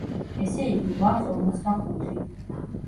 ესე იგი, გვაქვს ორმოცდახუთი.